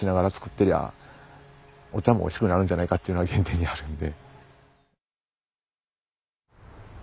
てりゃお茶もおいしくなるんじゃないかっていうのは原点にあるんで。